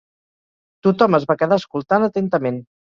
Tothom es va quedar escoltant atentament.